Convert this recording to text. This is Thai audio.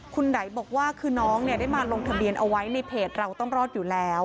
คุณไหนบอกว่าคือน้องได้มาลงทะเบียนเอาไว้ในเพจเราต้องรอดอยู่แล้ว